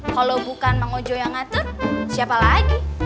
kalau bukan mang ojo yang ngatur siapa lagi